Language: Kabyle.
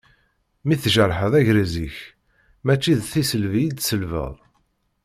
Mi tjerḥeḍ agrez-ik mačči d tisselbi i tselbeḍ.